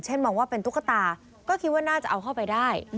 มองว่าเป็นตุ๊กตาก็คิดว่าน่าจะเอาเข้าไปได้